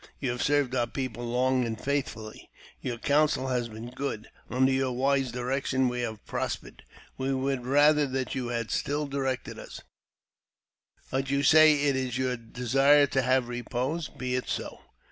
You have served our people long and faithfully. Your counsel has been good : imder your wise direction we have prospered. We would rather that you had still directed us ; but you say it is your desire to have repose. Be it so.